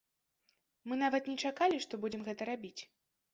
Мы нават не чакалі, што будзем гэта рабіць.